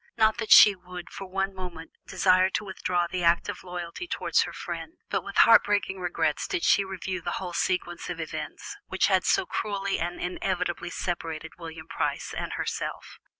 Not that she would for one moment desire to withdraw the act of loyalty towards her friend; but with heart breaking regrets did she review the whole sequence of events, which had so cruelly and inevitably separated William Price and herself.